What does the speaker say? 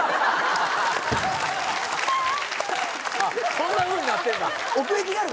そんなふうになってんだ。